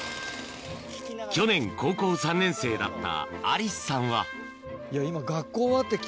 去年高校３年生だった愛梨朱さんはいや今。